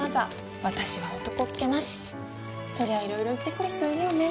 そりゃいろいろ言ってくる人いるよね